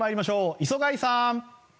磯貝さん。